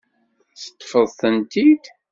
Teṭṭfeḍ-tent-id?